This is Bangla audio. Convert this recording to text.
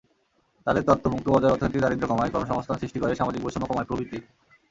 তাঁদের তত্ত্ব—মুক্তবাজার অর্থনীতি দারিদ্র্য কমায়, কর্মসংস্থান সৃষ্টি করে, সামাজিক বৈষম্য কমায় প্রভৃতি।